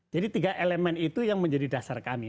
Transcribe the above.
jadi tiga elemen itu yang menjadi dasar kami